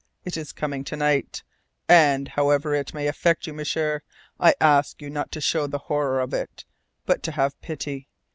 It is coming to night. And, however it may effect you, M'sieur, I ask you not to show the horror of it, but to have pity.